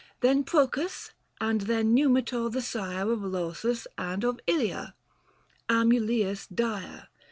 103 Then Prpcas, and then Xumitor the sire 55 Of Lausus and of Ilia ; Amulius dire